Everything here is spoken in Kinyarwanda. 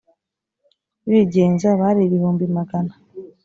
bigenza bari ibihumbi magana